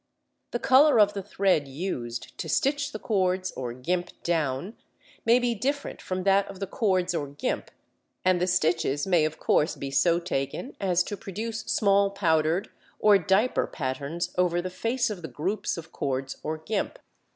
The colour of the thread used to stitch the cords or gimp down may be different from that of the cords or gimp, and the stitches may of course be so taken as to produce small powdered or diaper patterns over the face of the groups of cords or gimp.